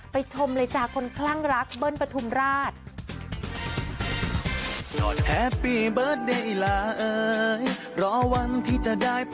ชมเลยจ้ะคนคลั่งรักเบิ้ลปฐุมราช